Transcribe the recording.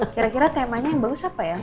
kira kira temanya yang bagus apa ya